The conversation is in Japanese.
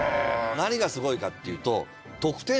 何がすごいかっていうと。